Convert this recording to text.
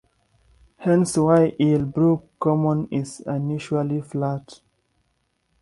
Hence why Eel Brook Common is unusually flat.